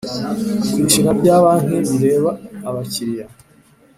kwishyura bya banki bireba abakiriya